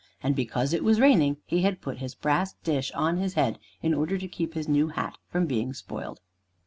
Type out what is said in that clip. And because it was raining, he had put his brass dish on his head, in order to keep his new hat from being spoiled.